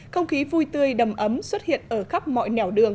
không khí vui tươi đầm ấm xuất hiện ở khắp mọi nẻo đường